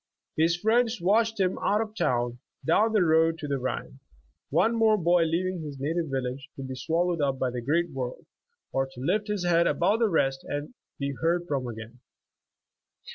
His friends watched him out of town, down the road to the Rhine, one more boy leaving his native village to be swallowed up by the great world, or to lift hit head above the rest and be heard from again.